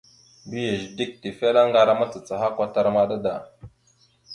Mbiyez dik tefelaŋar a macacaha kwatar maɗa da.